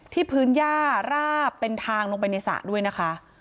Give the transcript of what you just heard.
พื้นย่าราบเป็นทางลงไปในสระด้วยนะคะ